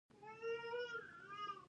مشق ښه دی.